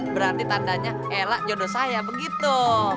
berarti tandanya elak jodoh saya begitu